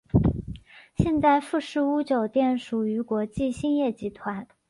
现在富士屋酒店属于国际兴业集团。